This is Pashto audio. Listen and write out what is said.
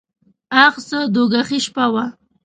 اخ څه دوږخي شپه وه .